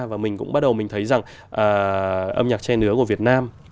và mình cũng bắt đầu mình thấy rằng âm nhạc che nứa của việt nam